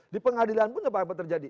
di pengadilan pun apa apa terjadi